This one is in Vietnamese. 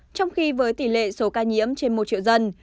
trong khi với tỷ lệ số ca nhiễm trên một triệu dân